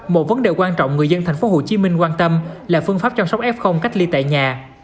một vấn đề quan trọng người dân thành phố hồ chí minh quan tâm là phương pháp chăm sóc f cách ly tại nhà